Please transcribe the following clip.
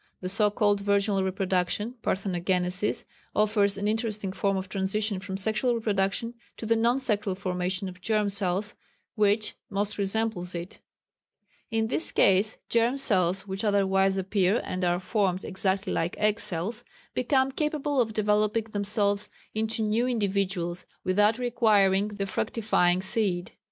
The so called virginal reproduction (Parthenogenesis) offers an interesting form of transition from sexual reproduction to the non sexual formation of germ cells which most resembles it.... In this case germ cells which otherwise appear and are formed exactly like egg cells, become capable of developing themselves into new individuals without requiring the fructifying seed.